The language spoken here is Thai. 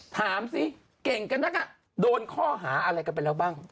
ถามซิเก่งก็นั้นก็โดนข้อหาอะไรกันเป็นเรากบ้าง